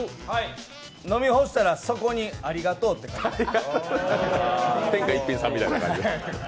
飲み干したら底に「ありがとう」って書いてある？